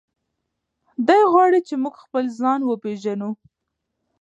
دی غواړي چې موږ خپل ځان وپیژنو.